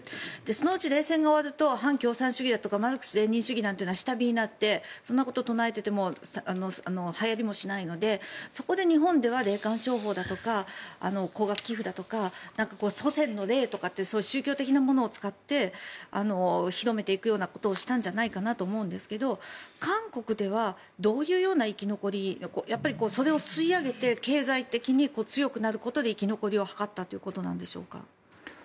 そのうち冷戦が終わると反共産主義だとかマルクス・レーニン主義というのは下火になってそんなことを唱えていてもはやりもしないのでそこで日本では霊感商法だとか高額寄付だとか祖先の霊とかって宗教的なものを使って広めていくようなことをしたんじゃないかと思うんですが韓国ではどういうような生き残りやっぱりそれを吸い上げて経済的に強くなることで生き残りを図ったということなんでしょうか。